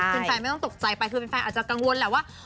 แฟนไม่ต้องตกใจไปคือแฟนอาจจะกังวลแหละว่า